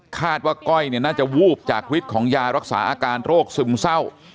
ว่าก้อยน่าจะวูบจากฤทธิ์ของยารักษาอาการโรคซึมเศร้า